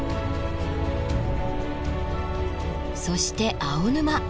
そして青沼。